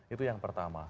itu yang pertama